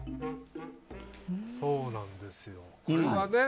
そうなんですよ。